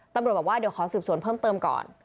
ตำรวจบอกว่าเดี๋ยวขอสืบสวนเพิ่มเติมก่อน